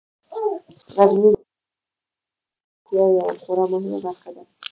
غزني د ټولو افغانانو د ګټورتیا یوه خورا مهمه برخه ده.